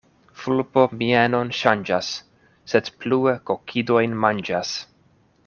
Vulpo mienon ŝanĝas, sed plue kokidojn manĝas.